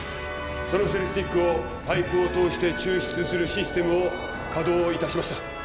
そのセルスティックをパイプを通して抽出するシステムを稼働いたしました